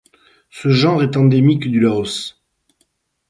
Ce genre est endémique du Laos.